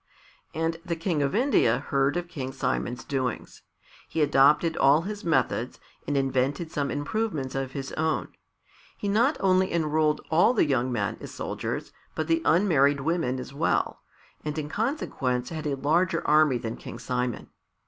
And the King of India heard of King Simon's doings. He adopted all his methods, and invented some improvements of his own. He not only enrolled all the young men as soldiers, but the unmarried women as well, and in consequence had a larger army than King Simon.